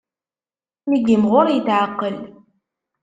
Mi yimɣur, yetɛeqqel.